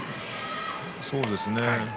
そうですね。